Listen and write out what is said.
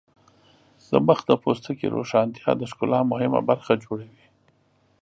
د مخ د پوستکي روښانتیا د ښکلا مهمه برخه جوړوي.